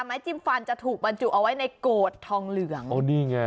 ไม้จิ้มฟันจะถูกบรรจุเอาไว้ในโกรธทองเหลือง